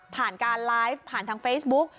ผ่านการไลฟ์ผ่านทางเฟซบุ๊ก